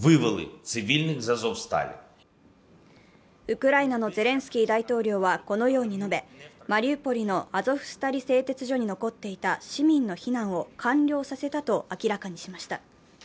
ウクライナのゼレンスキー大統領は、このように述べ、マリウポリのアゾフスタリ製鉄所に残っていた市民の避難を完了させたと明らかにしました。